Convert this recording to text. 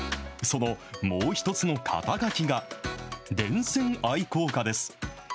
そのもう一つの肩書が、電線愛好家です。